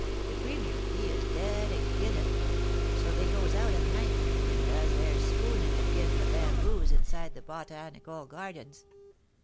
The Premier, he is dead agen it ; so they goes out at night, and does their spooning agen the bamboos inside the Botanical Gardens.